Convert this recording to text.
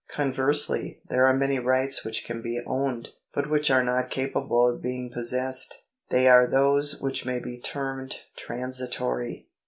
Conversely there arc many rights which can be owned, but which are not capable of being possessed. They are those which may be termed transitory.